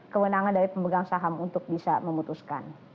kewenangan dari pemegang saham untuk bisa memutuskan